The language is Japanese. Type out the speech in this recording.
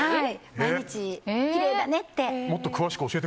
毎日きれいだねって。